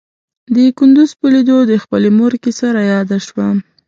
د کندوز په ليدو د خپلې مور کيسه راياده شوه.